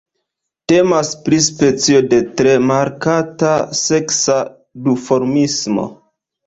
Temas pri specio de tre markata seksa duformismo.